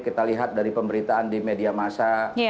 kita lihat dari pemberitaan di media masa